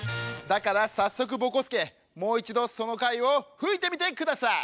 だからさっそくぼこすけもういちどその貝をふいてみてください！